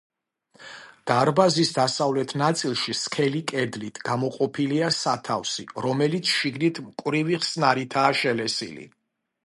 დარბაზის დასავლეთ ნაწილში სქელი კედლით, გამოყოფილია სათავსი, რომელიც შიგნით მკვრივი ხსნარითაა შელესილი.